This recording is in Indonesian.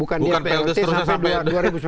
hanya melaksanakan munas ya